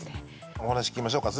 お話聞きましょうか。